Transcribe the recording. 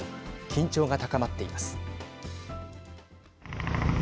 緊張が高まっています。